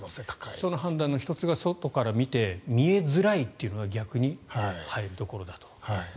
その判断の１つが外から見て見えづらいというのが逆に入るところだと。